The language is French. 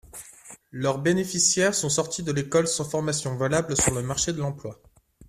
Leurs bénéficiaires sont sortis de l’école sans formation valable sur le marché de l’emploi.